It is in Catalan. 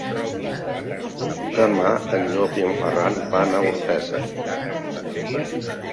Demà en Llop i en Ferran van a Orpesa.